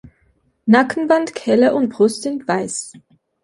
Nackenband, Kehle und Brust sind weiß.